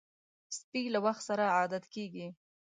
سپي له وخت سره عادت کېږي.